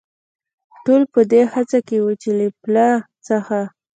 ټول په دې هڅه کې و، چې له پله څخه.